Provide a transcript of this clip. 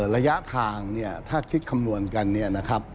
ระยะทางถ้าคิดคำนวณกัน